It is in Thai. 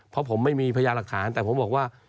เพราะผมไม่มีพยาหลักฐานแต่ผมบอกว่า